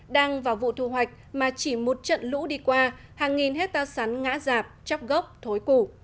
đang vào vụ thu hoạch mà chỉ một trận lũ đi qua hàng nghìn hectare sắn ngã rạp chóc gốc thối củ